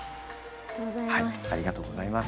ありがとうございます。